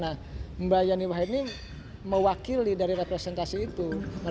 nah mbak yani wahid ini mewakili dari representasi itu